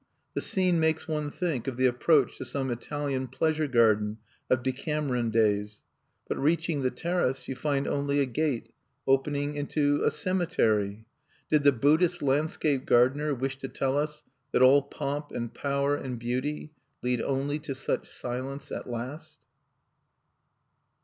The scene makes one think of the approach to some Italian pleasure garden of Decameron days. But, reaching the terrace, you find only a gate, opening into a cemetery! Did the Buddhist landscape gardener wish to tell us that all pomp and power and beauty lead only to such silence at last?